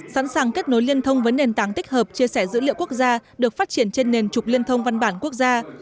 sẵn sàng kết nối liên thông với nền tảng tích hợp chia sẻ dữ liệu quốc gia được phát triển trên nền trục liên thông văn bản quốc gia